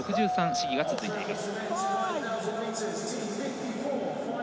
試技が続いています。